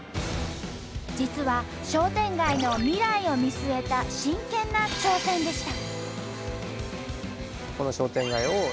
実は商店街の未来を見据えた真剣な挑戦でした。